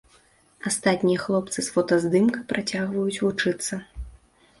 Астатнія хлопцы з фотаздымка працягваюць вучыцца.